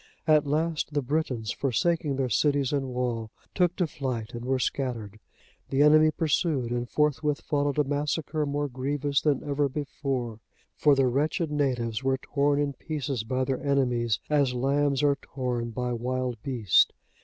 At last, the Britons, forsaking their cities and wall, took to flight and were scattered. The enemy pursued, and forthwith followed a massacre more grievous than ever before; for the wretched natives were torn in pieces by their enemies, as lambs are torn by wild beasts.